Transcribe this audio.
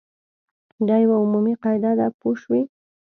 دا یوه عمومي قاعده ده پوه شوې!.